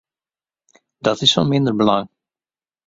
Dat is fan minder belang.